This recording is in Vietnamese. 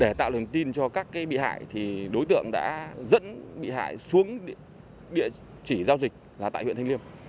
để tạo lòng tin cho các bị hại đối tượng đã dẫn bị hại xuống địa chỉ giao dịch tại huyện thanh liêm